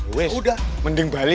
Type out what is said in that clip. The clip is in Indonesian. ues mending balik